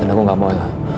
dan aku gak mau ya